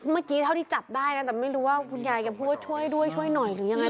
เมื่อกี้เท่าที่จับได้นะแต่ไม่รู้ว่าคุณยายแกพูดว่าช่วยด้วยช่วยหน่อยหรือยังไง